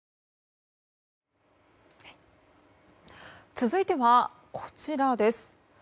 続いては、こちらです。